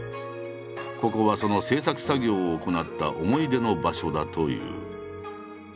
ここはその制作作業を行った思い出の場所だという。